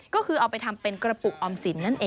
ก็คือเอาไปทำเป็นกระปุกออมสินนั่นเอง